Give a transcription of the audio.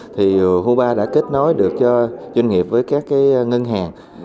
thì hubar đã kết nối được cho doanh nghiệp với các cái ngân hàng